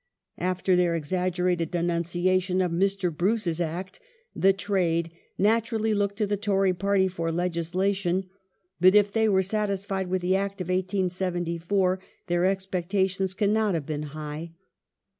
After their exaggerated denunciation of Mr. Bruce's Act the " trade " naturally looked to the Tory party for legislation, but if they were satisfied with the Act of 1874 their expectations cannot have been high.